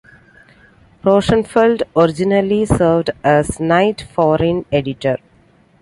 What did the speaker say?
Rosenfeld originally served as night foreign editor.